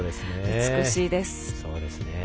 美しいです。